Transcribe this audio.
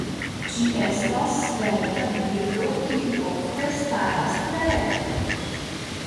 Ĝi estas svelta birdo kiu ofte staras tre rekta.